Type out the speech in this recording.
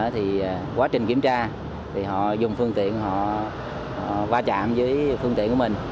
thì quá trình kiểm tra thì họ dùng phương tiện họ va chạm với phương tiện của mình